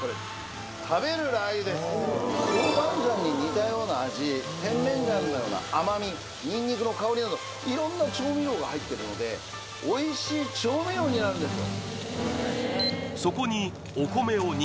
豆板醤に似たような味甜麺醤のような甘みニンニクの香りなど色んな調味料が入ってるのでおいしい調味料になるんですよ